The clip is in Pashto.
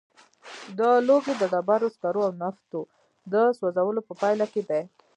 دا لوګی د ډبرو سکرو او نفتو د سوځولو په پایله کې دی.